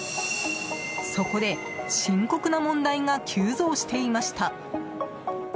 そこで、深刻な問題が急増していました。